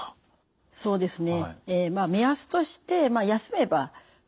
そうですね。